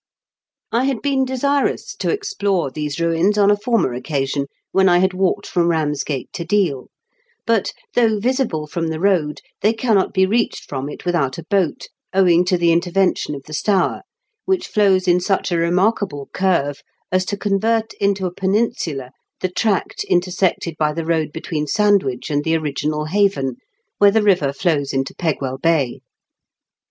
I had been desirous to explore these ruins on a former occasion, when I had walked from Kamsgate to Deal ; but, though visible from the road, they cannot be reached from it with out a boat, owing to the intervention of the Stour, which flows in such a remarkable curve as to convert into a peninsula the tract inter sected by the road between Sandwich and the original haven, where the river flows into Pegwell Bay.